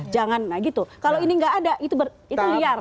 jangan nah gitu kalau ini nggak ada itu liar